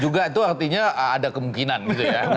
juga itu artinya ada kemungkinan gitu ya